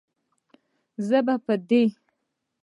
زه به دې.